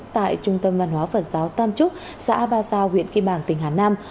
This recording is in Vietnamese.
tại trung tâm văn hóa phật giáo tam trúc xã ba giao huyện kỳ bàng tỉnh hà nam